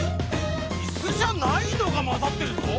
イスじゃないのがまざってるぞ！